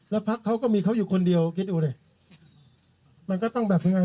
แล้วพักเขาก็มีเขาอยู่คนเดียวคิดดูดิมันก็ต้องแบบยังไง